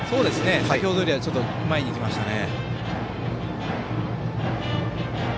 先ほどよりはちょっと前に来ましたね。